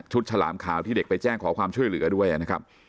ฉลามขาวที่เด็กไปแจ้งขอความช่วยเหลือด้วยนะครับ